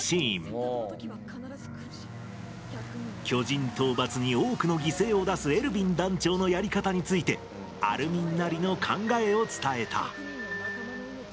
巨人討伐に多くの犠牲を出すエルヴィン団長のやり方についてアルミンなりの考えを伝えた。